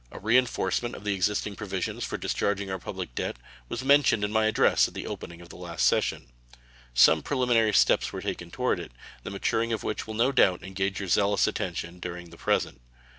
A reenforcement of the existing provisions for discharging our public debt was mentioned in my address at the opening of the last session. Some preliminary steps were taken toward it, the maturing of which will no doubt engage your zealous attention during the present.